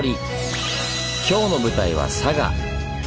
今日の舞台は佐賀。